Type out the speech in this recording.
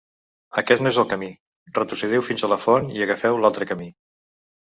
Aquest no és el camí: retrocediu fins a la font i agafeu l'altre camí.